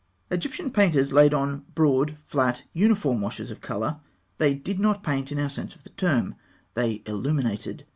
Egyptian painters laid on broad, flat, uniform washes of colour; they did not paint in our sense of the term; they illuminated.